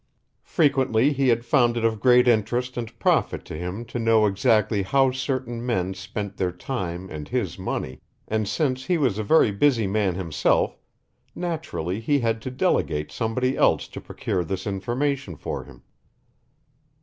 Frequently he had found it of great interest and profit to him to know exactly how certain men spent their time and his money, and since he was a very busy man himself, naturally he had to delegate somebody else, to procure this information for him.